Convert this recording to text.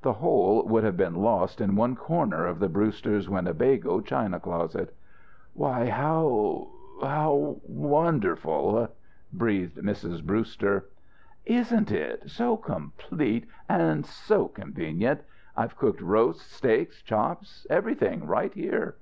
The whole would have been lost in one corner of the Brewster's Winnebago china closet. "Why, how how wonderful!" breathed Mrs. Brewster. "Isn't it? So complete and so convenient. I've cooked roasts, steaks, chops, everything, right here.